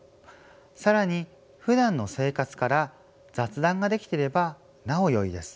更にふだんの生活から雑談ができてればなおよいです。